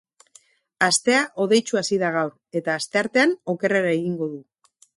Astea hodeitsu hasi da gaur, eta astertean okerrera egingo du.